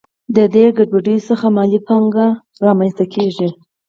د دې ګډېدو څخه مالي پانګه رامنځته کېږي